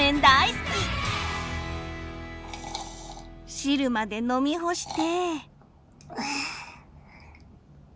汁まで飲み干して。